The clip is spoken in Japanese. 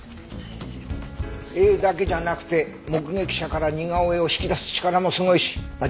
絵だけじゃなくて目撃者から似顔絵を引き出す力もすごいしまあ